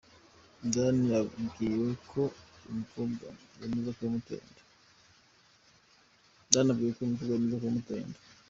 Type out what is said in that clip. Danny abwiwe ko uyu mukobwa yemeza ko yamuteye inda,.